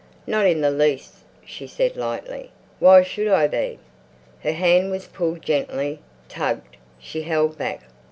"Not in the least," she said lightly. "Why should I be?" Her hand was pulled gently, tugged. She held back.